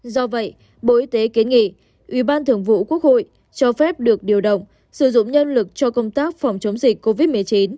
do vậy bộ y tế kiến nghị ủy ban thường vụ quốc hội cho phép được điều động sử dụng nhân lực cho công tác phòng chống dịch covid một mươi chín